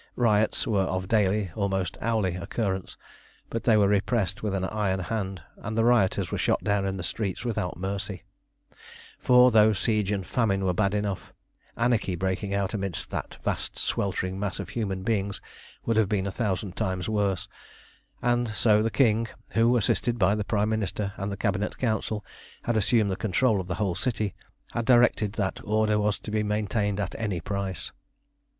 Riots were of daily, almost hourly, occurrence, but they were repressed with an iron hand, and the rioters were shot down in the streets without mercy; for, though siege and famine were bad enough, anarchy breaking out amidst that vast sweltering mass of human beings would have been a thousand times worse, and so the King, who, assisted by the Prime Minister and the Cabinet Council, had assumed the control of the whole city, had directed that order was to be maintained at any price.